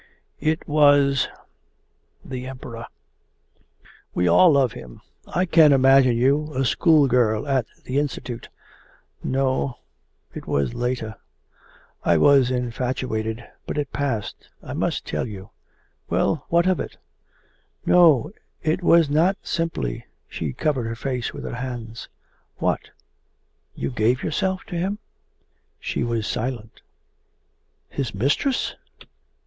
It was the Emperor.' 'We all love him. I can imagine you, a schoolgirl at the Institute...' 'No, it was later. I was infatuated, but it passed... I must tell you...' 'Well, what of it?' 'No, it was not simply ' She covered her face with her hands. 'What? You gave yourself to him?' She was silent. 'His mistress?